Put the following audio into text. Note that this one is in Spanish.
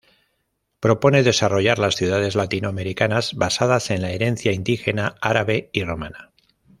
Propone desarrollar las ciudades latinoamericanas basados en la herencia indígena, árabe y romana.